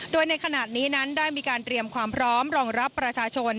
โดยในขณะนี้นั้นได้มีการเตรียมความพร้อมรองรับประชาชน